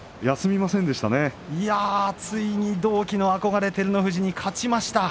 同期の憧れ照ノ富士に勝ちました。